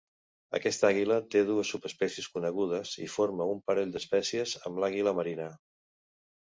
Aquesta àguila té dues subespècies conegudes i forma un parell d'espècies amb l'àguila marina.